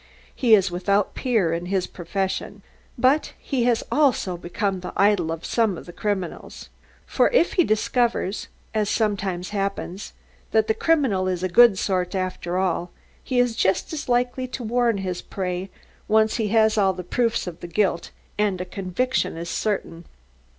He is without a peer in his profession. But he has also become the idol of some of the criminals. For if he discovers (as sometimes happens) that the criminal is a good sort after all, he is just as likely to warn his prey, once he has all proofs of the guilt and a conviction is certain.